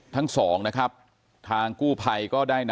ทั้งสองนะครับทางกู้ไพก็ได้นำร่าง